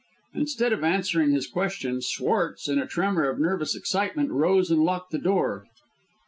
Instead of answering his question, Schwartz, in a tremor of nervous excitement, rose and locked the door.